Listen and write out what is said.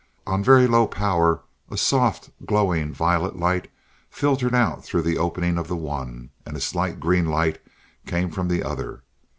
On very low power, a soft, glowing violet light filtered out through the opening of the one, and a slight green light came from the other.